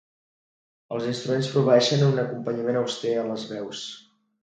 Els instruments proveeixen un acompanyament auster a les veus.